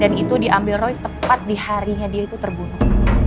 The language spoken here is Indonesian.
dan itu diambil roy tepat di harinya dia itu terbunuh